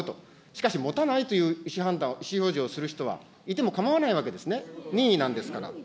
しかし、持たないという意思表示をする人は、いても構わないわけですね、任意なんですから。